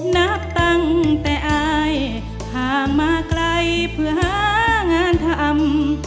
นับตั้งแต่อายห่างมาไกลเพื่อหางานทำ